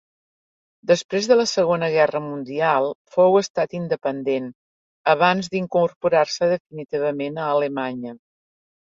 Després de la Segona Guerra Mundial fou estat independent, abans d'incorporar-se definitivament a Alemanya.